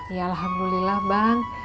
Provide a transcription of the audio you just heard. ya alhamdulillah bang